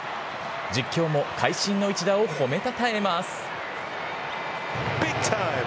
実況も会心の一打を褒めたたえます。